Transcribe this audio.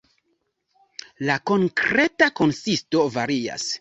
La konkreta konsisto varias.